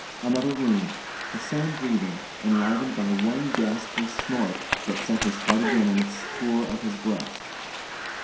Another room ... the same breathing, enlivened by one ghastly snort that sent his heart again on its tour of his breast.